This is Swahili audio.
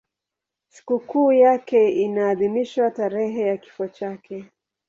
Sikukuu yake inaadhimishwa tarehe ya kifo chake.